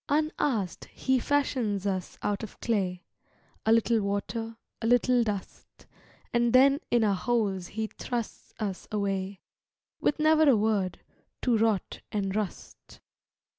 Unasked He fashions us out of clay, A little water, a little dust, And then in our holes He thrusts us away, With never a word, to rot and rust.